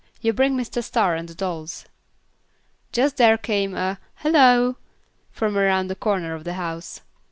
You bring Mr. Star and the dolls." Just here came a "Hallo!" from around the corner of the house.